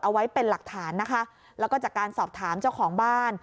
เอาไว้เป็นหลักฐานนะคะแล้วก็จากการสอบถามเจ้าของบ้าน